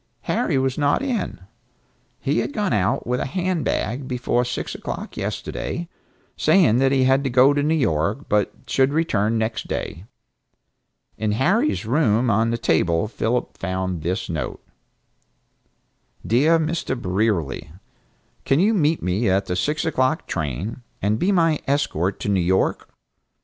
Harry was not in. He had gone out with a hand bag before six o'clock yesterday, saying that he had to go to New York, but should return next day. In Harry's room on the table Philip found this note: "Dear Mr. Brierly: Can you meet me at the six o'clock train, and be my escort to New York?